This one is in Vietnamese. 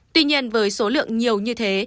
tuy nhiên với số lượng nhiều như thế